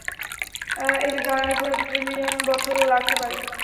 এদের জ্বালানী ফুরোতে ট্রিলিয়ন বছরও লাগতে পারে।